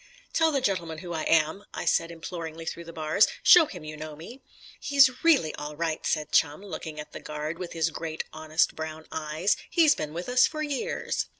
"Tell the gentleman who I am," I said imploringly through the bars, "Show him you know me." "He's really all right," said Chum, looking at the guard with his great honest brown eyes. "He's been with us for years."